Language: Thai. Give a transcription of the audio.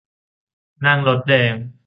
นั่งรถแดง